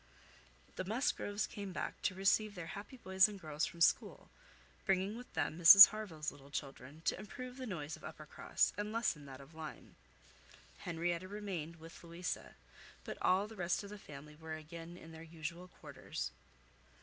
The Musgroves came back to receive their happy boys and girls from school, bringing with them Mrs Harville's little children, to improve the noise of Uppercross, and lessen that of Lyme. Henrietta remained with Louisa; but all the rest of the family were again in their usual quarters.